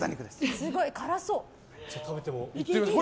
すごい辛そう。